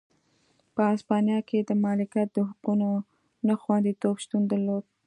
په هسپانیا کې د مالکیت د حقونو نه خوندیتوب شتون درلود.